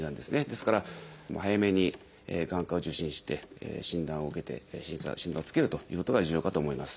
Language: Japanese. ですから早めに眼科を受診して診断を受けて診断をつけるということが重要かと思います。